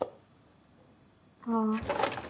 ああ。